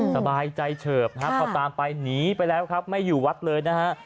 สบายใจเฉิบนะครับพอตามไปหนีไปแล้วครับไม่อยู่วัดเลยนะฮะ